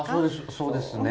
そうですね。